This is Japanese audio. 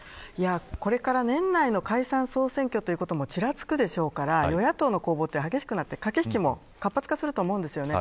これから年内の解散、総選挙ということもちらつくでしょうから与野党の攻防は激しくなって駆け引きも活発化すると思います。